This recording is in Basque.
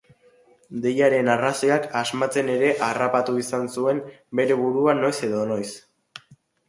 Deiaren arrazoiak asmatzen ere harrapatu izan zuen bere burua noiz edo noiz.